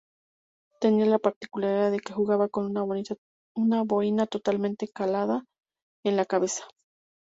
Tenía la particularidad de que jugaba con una boina totalmente calada en la cabeza.